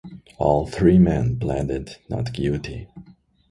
All three men pleaded not guilty.